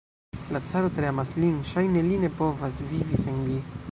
La caro tre amas lin, ŝajne li ne povas vivi sen li.